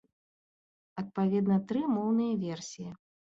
Адпаведна тры моўныя версіі.